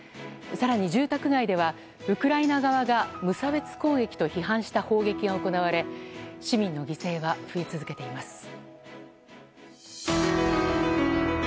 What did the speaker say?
更に住宅街ではウクライナ側が無差別攻撃と批判した砲撃が行われ市民の犠牲は増え続けています。